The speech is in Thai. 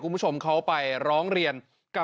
คุณผู้ชมเขาไปร้องเรียนกับ